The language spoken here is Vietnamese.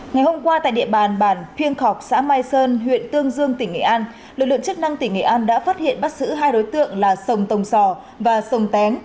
ngày hôm qua tại địa bàn bản phiêng khọc xã mai sơn huyện tương dương tỉnh nghệ an lực lượng chức năng tỉnh nghệ an đã phát hiện bắt giữ hai đối tượng là sông tồng sò và sông téng